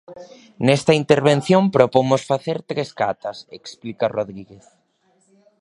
"Nesta intervención propomos facer tres catas", explica Rodríguez.